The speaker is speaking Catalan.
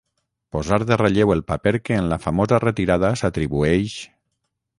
posar de relleu el paper que en la famosa retirada s'atribueix